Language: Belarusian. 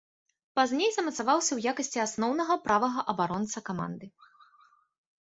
Пазней замацаваўся ў якасці асноўнага правага абаронцы каманды.